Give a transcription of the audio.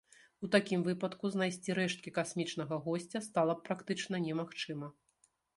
У такім выпадку знайсці рэшткі касмічнага госця стала б практычна немагчыма.